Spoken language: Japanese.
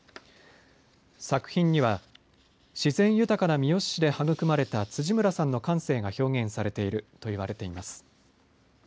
作品には自然豊かな三次市で育まれた辻村さんの感性が表現されていると言われています。